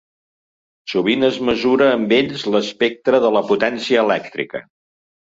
Sovint es mesura amb ells l'espectre de la potència elèctrica.